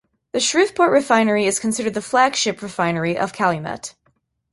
The Shreveport Refinery is considered the flagship refinery of Calumet.